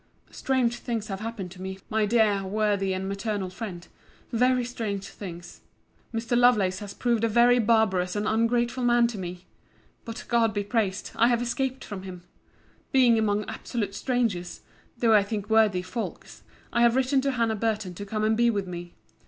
Strange things have happened to me, my dear, worthy and maternal friend—very strange things!—Mr. Lovelace has proved a very barbarous and ungrateful man to me. But, God be praised, I have escaped from him. Being among absolute strangers (though I think worthy folks) I have written to Hannah Burton to come and be with me.